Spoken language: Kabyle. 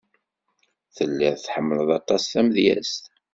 Telliḍ tḥemmleḍ aṭas tamedyazt.